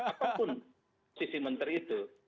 apapun sisi menteri itu